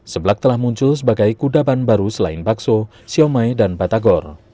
seblak telah muncul sebagai kudaban baru selain bakso siomay dan batagor